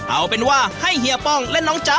เอาเป็นว่าให้เฮียป้องและน้องจ๊ะ